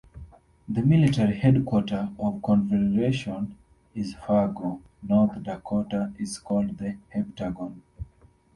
The military headquarters of the Confederation in Fargo, North Dakota is called the "Heptagon".